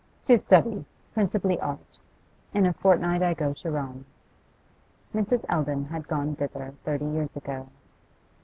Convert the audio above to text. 'To study, principally art. In a fortnight I go to Rome.' Mrs. Eldon had gone thither thirty years ago.